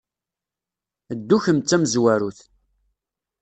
Ddu kemm d tamezwarut.